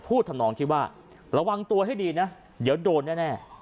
ทำนองที่ว่าระวังตัวให้ดีนะเดี๋ยวโดนแน่